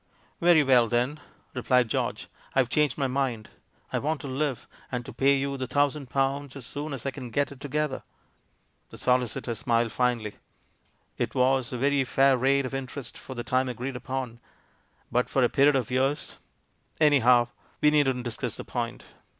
"Very well, then," replied George, "I've changed my mind. I want to live, and to pay WITH INTENT TO DEFRAUD 235 you the thousand pounds as soon as I can get it together." The solicitor smiled finely. "It was a very fair rate of interest for the time agreed upon. But for a period of years Anyhow, we needn't discuss the point!